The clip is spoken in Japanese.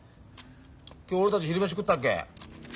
今日俺たち昼飯食ったっけ？